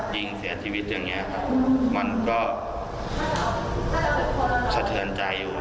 ยิงเสียชีวิตอย่างนี้ครับมันก็สะเทือนใจอยู่